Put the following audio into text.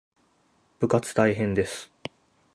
部活大変です